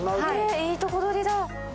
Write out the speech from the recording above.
いいとこどりだ。